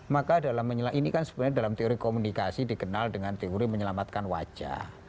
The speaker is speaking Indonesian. maka dalam ini kan sebenarnya dalam teori komunikasi dikenal dengan teori menyelamatkan wajah